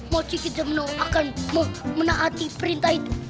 masih kita mau menaati perintah itu